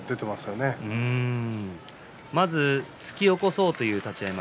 まず突き起こそうという立ち合い